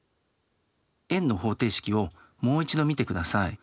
円の方程式をもう一度見てください。